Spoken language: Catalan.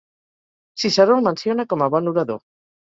Ciceró el menciona com a bon orador.